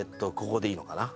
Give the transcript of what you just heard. ここでいいのかな？